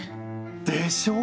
でしょう？